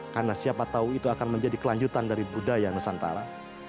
karena siapa tahu itu akan menjadi kelanjutan dari budaya nusantara